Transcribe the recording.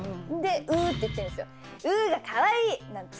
うって言ってるんですよ。